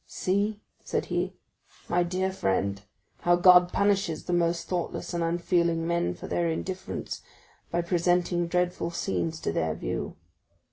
"See," said he, "my dear friend, how God punishes the most thoughtless and unfeeling men for their indifference, by presenting dreadful scenes to their view.